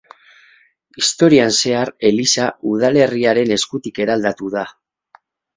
Historian zehar eliza udalerriaren eskutik eraldatu da.